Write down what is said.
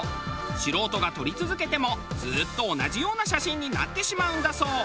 素人が撮り続けてもずっと同じような写真になってしまうんだそう。